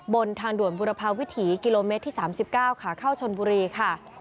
บนทางด่วนบุรพาวิถีกิโลเมตรที่๓๙ขาเข้าชนบุรีค่ะ